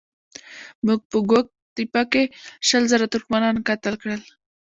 موږ په ګوک تېپه کې شل زره ترکمنان قتل کړل.